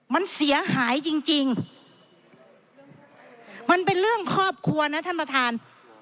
มันเสียหายจริงจริงมันเป็นเรื่องครอบครัวนะท่านประธาน